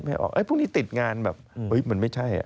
พรุ่งนี้ติดงานแบบมันไม่ใช่